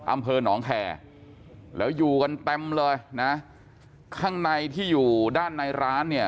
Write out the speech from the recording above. อำเภอหนองแคร์แล้วอยู่กันเต็มเลยนะข้างในที่อยู่ด้านในร้านเนี่ย